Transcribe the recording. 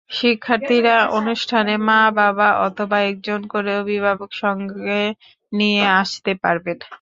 শিক্ষার্থীরা অনুষ্ঠানে মা-বাবা অথবা একজন করে অভিভাবক সঙ্গে নিয়ে আসতে পারবেন।